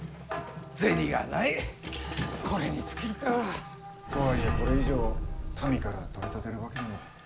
銭がないこれに尽きるか。とはいえこれ以上民から取り立てるわけにも。